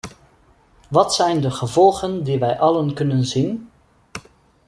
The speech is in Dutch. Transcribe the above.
Wat zijn de gevolgen die wij allen kunnen zien?